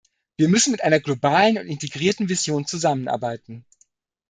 Wir müssen mit einer globalen und integrierten Vision zusammenarbeiten.